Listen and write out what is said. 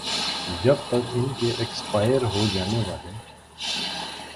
جب تک ان کے ایکسپائر ہوجانے والے